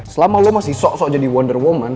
selama lo masih sok sok jadi wonder woman